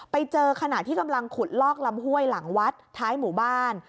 ไปเจอขณะที่กำลังขุดลอกลำห้วยหลังวัดท้ายหมู่บ้าน